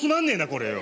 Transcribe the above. これよ。